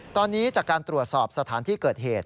ตอนนี้จากการตรวจสอบสถานที่เกิดเหตุ